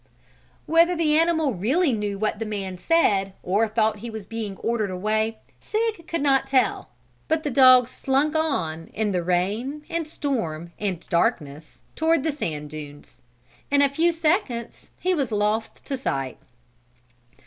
Whether the animal really knew what the man said, or thought he was being ordered away, Sig could not tell. But the dog slunk on in the rain and storm and darkness, toward the sand dunes. In a few seconds he was lost to sight.